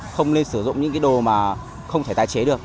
không nên sử dụng những cái đồ mà không thể tái chế được